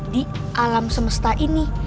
di alam semesta ini